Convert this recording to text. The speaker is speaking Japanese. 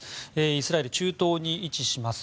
イスラエル、中東に位置します